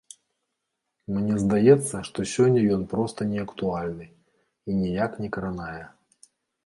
Мне здаецца, што сёння ён проста неактуальны і ніяк не кранае.